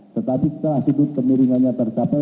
tetapi setelah sidut pemiringannya tercapai